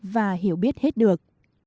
và hiểu biết hết được